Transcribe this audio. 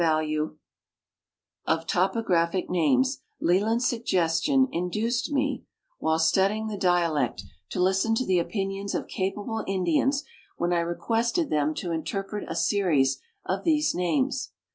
20 A LL ARO UND THE B A Y OF PA SSA MA Q UODD Y topographic names, Leland's suggestion induced me, while study ing the dialect, to listen to the opinions of capable Indians when I requested them to interpret a series of these names.